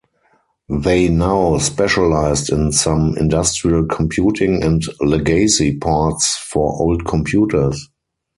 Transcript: They now specialized in some industrial computing and legacy parts for old computers.